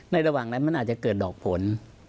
ระหว่างนั้นมันอาจจะเกิดดอกผล